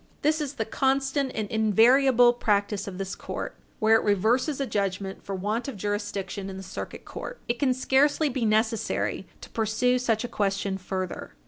This is the constant and invariable practice of this court where it reverses a judgment for want of jurisdiction in the Circuit Court. It can scarcely be necessary to pursue such a question further.